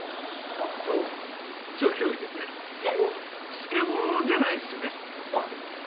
スケボーじゃないですよね。